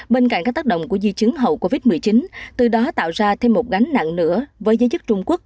bên cạnh các tác động của di chứng hậu covid một mươi chín từ đó tạo ra thêm một gánh nặng nữa với giới chức trung quốc